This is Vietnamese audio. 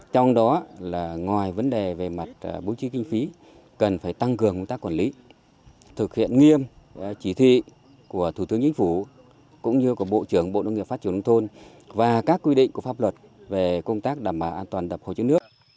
trong đó là ngoài vấn đề về mặt bố trí kinh phí cần phải tăng cường công tác quản lý thực hiện nghiêm chỉ thị của thủ tướng chính phủ cũng như của bộ trưởng bộ nông nghiệp phát triển nông thôn và các quy định của pháp luật về công tác đảm bảo an toàn đập hồ chứa nước